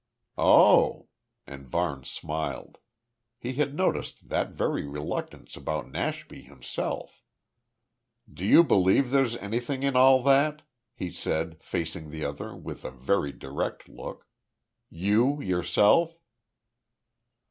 "Oh," and Varne smiled. He had noticed that very reluctance about Nashby himself. "Do you believe there's anything in all that?" he said, facing the other with a very direct look. "You, yourself?"